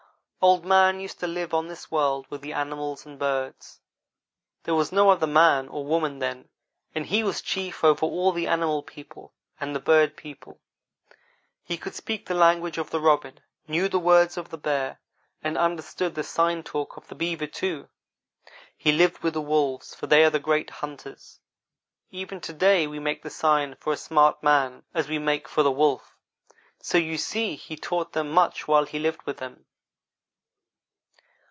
Old man used to live on this world with the animals and birds. There was no other man or woman then, and he was chief over all the animal people and the bird people. He could speak the language of the robin, knew the words of the bear, and understood the sign talk of the beaver, too. He lived with the wolves, for they are the great hunters. Even to day we make the same sign for a smart man as we make for the wolf; so you see he taught them much while he lived with them.